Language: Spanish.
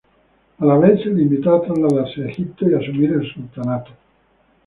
A la vez, se le invitó a trasladarse a Egipto y asumir el sultanato.